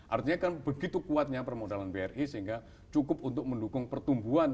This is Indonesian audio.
artinya kan begitu kuatnya permodalan bri sehingga cukup untuk mendukung pertumbuhan